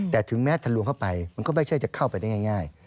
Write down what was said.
แต่ถึงแม้ทะลวงเข้าไปมันก็ไม่ใช่จะเข้าไปได้ง่าย